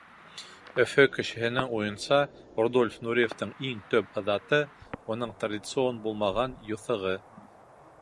Өфө кешеһенең уйынса, Рудольф Нуриевтың иң төп һыҙаты — уның традицион булмаған юҫығы.